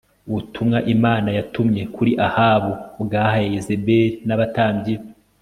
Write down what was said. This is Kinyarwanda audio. Ubutumwa Imana yatumye kuri Ahabu bwahaye Yezebeli nabatambyi be